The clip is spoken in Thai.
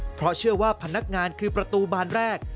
เพราะเชื่อว่าพนักงานคือประตูบานแรก